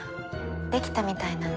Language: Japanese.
できたみたいなの。